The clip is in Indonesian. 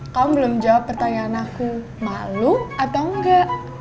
kamu belum jawab pertanyaan aku malu atau engga